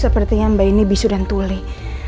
sepertinya mbak ini bisu dan tuli